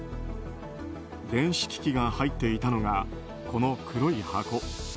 電子機器が入っていたのがこの黒い箱。